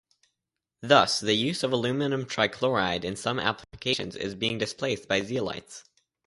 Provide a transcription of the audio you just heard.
Thus, the use of aluminium trichloride in some applications is being displaced by zeolites.